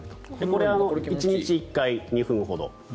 これ、１日１回２分ほど。